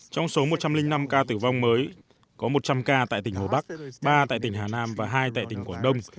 trong số một trăm linh năm ca tử vong mới có một trăm linh ca tại tỉnh hồ bắc ba tại tỉnh hà nam và hai tại tỉnh quảng đông